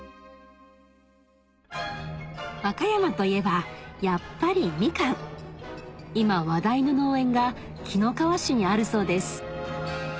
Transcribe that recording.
和歌山といえばやっぱりみかん今話題の農園が紀の川市にあるそうです